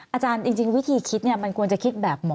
อาจารย์จริงวิธีคิดมันควรจะคิดแบบหมอ